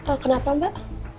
oh kenapa mbak